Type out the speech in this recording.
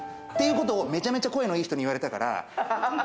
っていうこと、めちゃめちゃ声のいい人に言われたから。